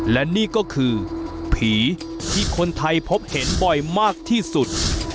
และนี่ก็คือผีที่คนไทยพบเห็นบ่อยมากที่สุด